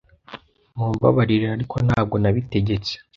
Mumbabarire, ariko ntabwo nabitegetse.